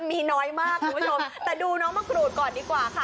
มีน้อยมากคุณผู้ชมแต่ดูน้องมะกรูดก่อนดีกว่าค่ะ